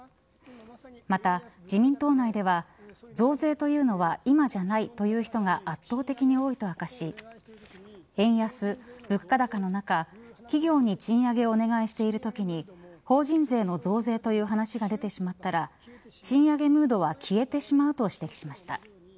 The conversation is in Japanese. また、自民党内では増税というのは今じゃないという人が圧倒的に多いと明かし円安、物価高の中企業に賃上げをお願いしているときに法人税の増税という話が出てしまったら賃上げムードは消えてしまうと指摘しました。